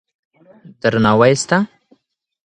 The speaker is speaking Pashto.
درناوی سته.